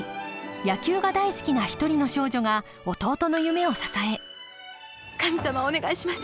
野球が大好きな一人の少女が弟の夢を支え神様お願いします。